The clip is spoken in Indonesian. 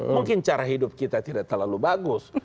mungkin cara hidup kita tidak terlalu bagus